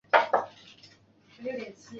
小叶月桂为木犀科木犀属下的一个种。